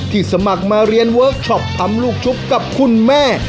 สมัครมาเรียนเวิร์คช็อปทำลูกชุบกับคุณแม่